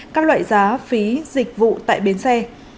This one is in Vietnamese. các loại giá phí dịch vụ tại bến xe